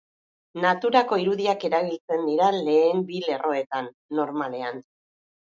Naturako irudiak erabiltzen dira lehen bi lerroetan, normalean.